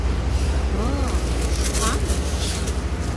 Ыы, ишԥа, нас?